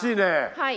はい。